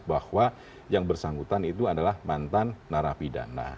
bahwa yang bersangkutan itu adalah mantan narapidana